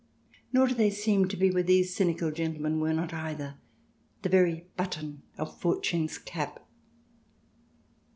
Nor do they seem to be v^rhere these cynical gentle men were not either —" the very button of Fortune's cap."